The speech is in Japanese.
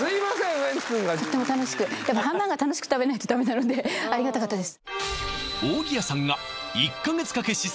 ウエンツ君がとっても楽しくやっぱハンバーガー楽しく食べないとダメなのでありがたかったです